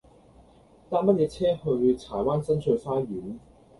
搭乜嘢車去柴灣新翠花園